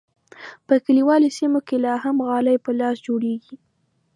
په کلیوالو سیمو کې لا هم غالۍ په لاس جوړیږي.